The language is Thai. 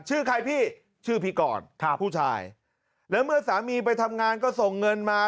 ชื่อใครพี่ชื่อพี่กรครับผู้ชายแล้วเมื่อสามีไปทำงานก็ส่งเงินมา